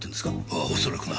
ああ恐らくな。